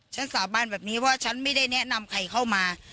สาบานแบบนี้ว่าฉันไม่ได้แนะนำใครเข้ามา